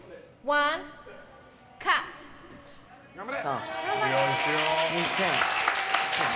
頑張れ！